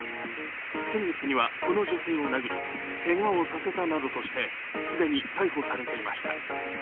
先月にはこの女性を殴りけがをさせたなどとして、既に逮捕されていました。